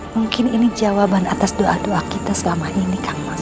mungkin ini jawaban atas doa doa kita selama ini kang mas